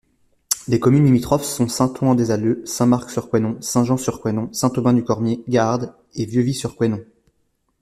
Les communes limitrophes sont Saint-Ouen-des-Alleux, Saint-Marc-sur-Couesnon, Saint-Jean-sur-Couesnon, Saint-Aubin-du-Cormier, Gahard et Vieux-Vy-sur-Couesnon.